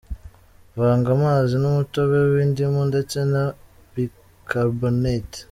Vanga amazi n’umutobe w’indimu ndetse na bicarbonate